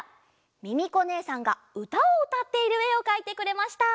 ミミコねえさんがうたをうたっているえをかいてくれました。